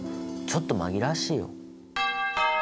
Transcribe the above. ちょっと紛らわしいよ。